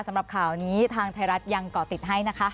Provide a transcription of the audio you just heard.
สำหรับข่าวนี้ทางไทยรัฐยังเกาะติดให้นะคะ